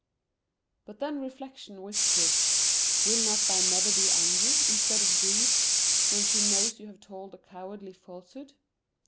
But then Reflection whispered, "Will not thy mother be angry, instead of grieved, when she knows you have told a cowardly falsehood?"